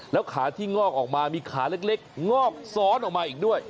แล้วขาที่งอกออกมามีขาเล็กงอกซ้อนออกมาอีกด้วย